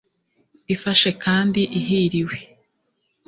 ifashe kandi ihiriwe